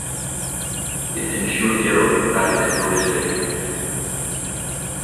It is in Schuylkill Valley School District.